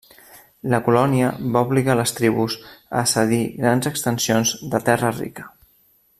La colònia va obligar les tribus a cedir grans extensions de terra rica.